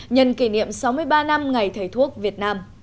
nhân kỷ niệm sáu mươi ba năm ngày thầy thuốc việt nam